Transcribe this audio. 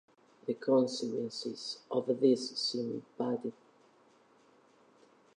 The consequences of this sympathetic surge can be sudden, severe, and are frequently life-threatening.